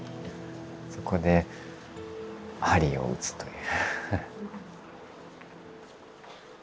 そこで鍼をうつという。